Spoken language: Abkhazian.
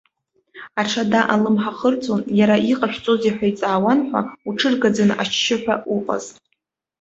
Аҽада алымҳа хырҵәон, иара иҟашәҵозеи ҳәа иҵаауан ҳәа, уҽыргаӡаны, ашьшьыҳәа уҟаз.